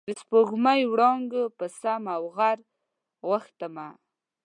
د سپوږمۍ وړانګو په سم او غر غوښتمه